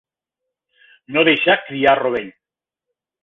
No deixar criar rovell.